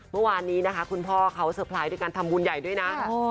เมื่อวานนี้นะคะคุณพ่อเขาเซอร์ไพรส์ด้วยการทำบุญใหญ่ด้วยนะ